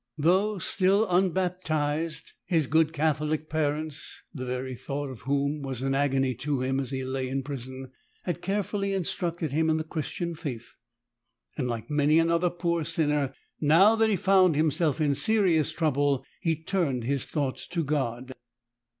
Though still unbaptized, his 164 good Catholic parents — the very thought of whom was an agony to him as he lay in prison — had carefully instructed him in the Christian Faith, and, like many another poor sinner, now that he found himself in serious trouble he turned his thoughts to God.